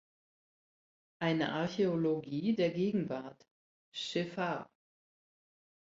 Eine Archäologie der Gegenwart», «Che fare.